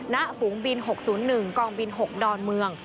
ฝูงบิน๖๐๑กองบิน๖ดอนเมือง